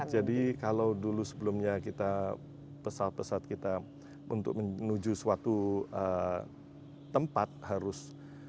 jadi kalau dulu sebelumnya pesawat pesawat kita untuk menuju suatu tempat harus